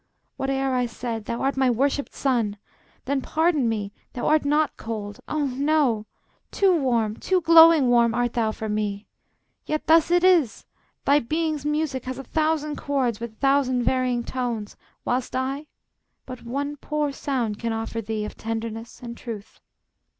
Whate'er I said, thou art my worshiped sun. Then pardon me; thou art not cold; oh, no! Too warm, too glowing warm, art thou for me. Yet thus it is! Thy being's music has A thousand chords with thousand varying tones, Whilst I but one poor sound can offer thee Of tenderness and truth.